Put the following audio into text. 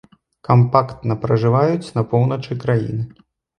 Кампактна пражываюць на поўначы краіны.